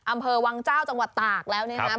อำเภอวังเจ้าจังหวัดตากแล้วเนี่ยนะครับ